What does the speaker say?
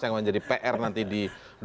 yang menjadi pr nanti